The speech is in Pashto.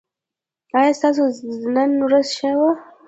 ایا ستاسو نن ورځ ښه وه؟